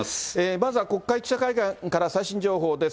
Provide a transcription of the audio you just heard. まずは国会記者会館から最新情報です。